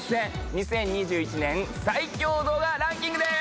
２０２１年最強動画ランキングです！